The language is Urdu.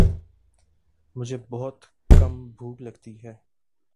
مجھے بہت کم بھوک لگتی ہے